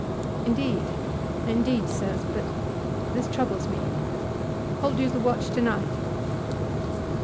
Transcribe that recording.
Indeed, indeed, sirs, but this troubles me. Hold you the watch tonight?